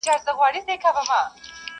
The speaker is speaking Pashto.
یو له بله یې کړل بيل نیژدې کورونه؛